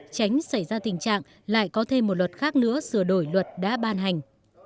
tránh xảy ra tình trạng lại có thêm một luật khác nữa sửa đổi luật đã ban hành